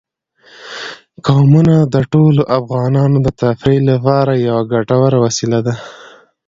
قومونه د ټولو افغانانو د تفریح لپاره یوه ګټوره وسیله ده.